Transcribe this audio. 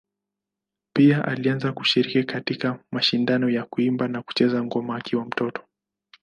Pia alianza kushiriki katika mashindano ya kuimba na kucheza ngoma akiwa mtoto.